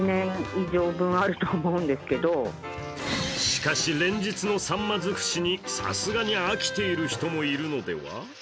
しかし、連日のさんま尽くしにさすがに飽きている人もいるのでは？